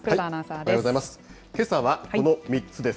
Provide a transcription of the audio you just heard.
おはようございます。